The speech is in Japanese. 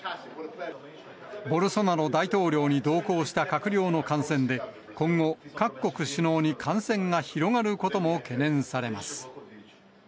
ボルソナロ大統領に同行した閣僚の感染で、今後、各国首脳に感染が広がることも懸念されます。